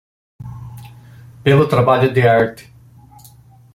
Pelo trabalho de arte